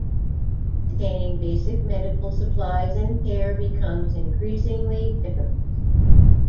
Attaining basic medical supplies and care becomes increasingly difficult.